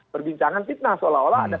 perbincangan fitnah seolah olah ada